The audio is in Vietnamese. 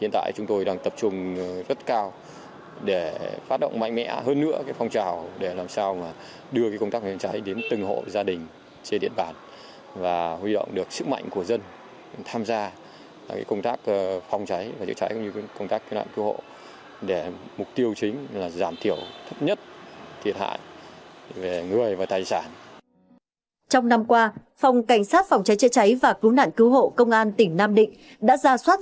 tổ chức đảng cán bộ đảng viên lực lượng cảnh sát phòng cháy cháy cháy và cứu nạn cứu hộ công an tỉnh nam định đã nắm vững quan điểm chỉ đạo mục tiêu nhiệm vụ giải pháp